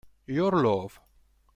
Your Love